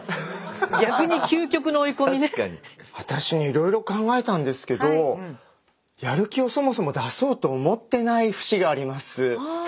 私ねいろいろ考えたんですけどやる気をそもそも出そうと思ってない節があります。